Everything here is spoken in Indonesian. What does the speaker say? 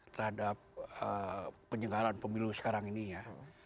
terhadap penyelenggaraan pemilu sekarang ini ya